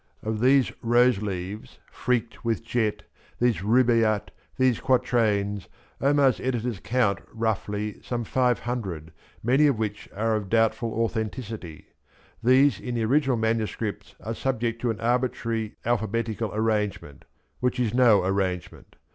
Of these rose leaves freakt with jet, ^ these rubaiyat, these quatrains, Omars editors count, roughly, some five hundred, many of which are of doubtful authenticity, 1'hese in the original manuscripts are subject to an arbitrary alphabetical arrangement which is no arrangement.